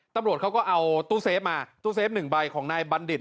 ตำรวจเขาก็เอาตู้เซฟมาตู้เซฟหนึ่งใบของนายบัณฑิต